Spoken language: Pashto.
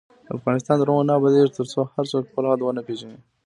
افغانستان تر هغو نه ابادیږي، ترڅو هر څوک خپل حد ونه پیژني.